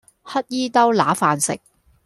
乞兒兜揦飯食